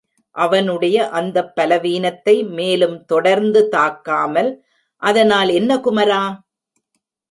அவனுடைய அந்தப் பலவீனத்தை மேலும் தொடர்ந்து தாக்காமல், அதனால் என்ன குமரா?